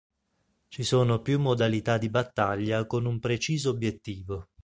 Ci sono più modalità di battaglia con un preciso obbiettivo.